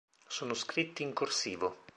Sono scritti in corsivo.